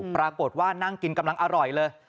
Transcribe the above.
ปรากฏว่านั่งกินกำลังอร่อยเลย